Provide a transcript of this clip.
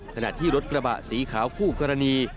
ขณะที่รถกระบะสีขาวคู่กรณี